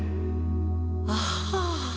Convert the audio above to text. ああ